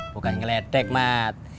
bukan ngeledek mat